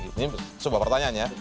ini semua pertanyaannya